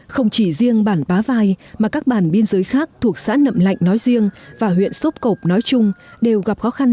không chỉ riêng bản bá vai mà các bản biên giới khác thuộc xã nậm lạnh nói riêng và huyện sốp cộp nói chung đều gặp khó khăn